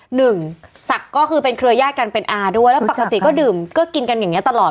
หนึ่งศักดิ์ก็คือเป็นเครือยาศกันเป็นอาด้วยแล้วปกติก็ดื่มก็กินกันอย่างเงี้ตลอด